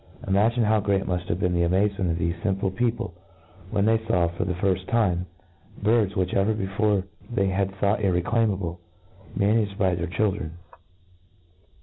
Imagine how great mud have been the amazement of thefe fimple people, when they law, for the firft time, birds, which ever before they had thought irreclaimable^ managed by their children.